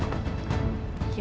yaudah deh aku nitip ini ya